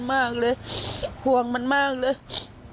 แต่มันถือปืนมันไม่รู้นะแต่ตอนหลังมันจะยิงอะไรหรือเปล่าเราก็ไม่รู้นะ